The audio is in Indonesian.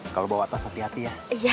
kalau bawa tas hati hati ya